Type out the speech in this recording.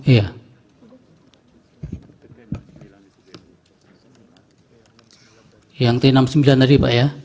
yang t enam puluh sembilan tadi pak ya